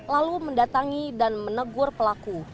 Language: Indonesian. lalu mendatangi dan menegur pelaku